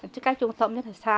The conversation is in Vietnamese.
các trung tâm rất là xa